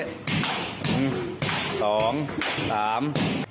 หนึ่งสองสาม